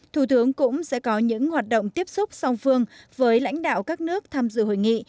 thủ tướng cũng sẽ có những hoạt động tiếp xúc song phương với lãnh đạo các nước tham dự hội nghị